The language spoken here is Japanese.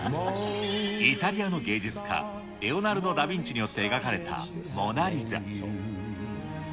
イタリアの芸術家、レオナルド・ダ・ヴィンチによって描かれたモナ・リザ。